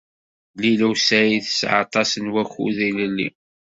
Lila u Saɛid tesɛa aṭas n wakud ilelli.